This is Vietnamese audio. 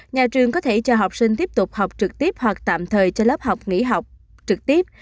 nhà trường có thể cho học sinh tiếp tục học trực tiếp hoặc tạm thời cho lớp học nghỉ học trực tiếp